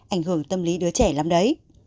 ảnh hưởng tâm lý đứa trẻ lắm đấy